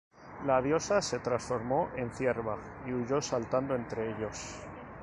La diosa se transformó en cierva y huyó saltando entre ellos.